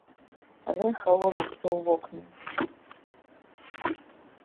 Рэха ломіцца ў вокны.